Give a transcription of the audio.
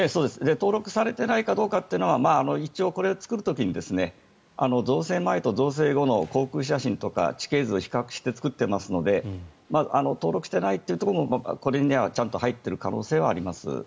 登録されてないかどうかはこれを作る時に造成前と造成後の航空写真とか地形図を比較して作っていますから登録していないというところもこれにはちゃんと入っている可能性はあります。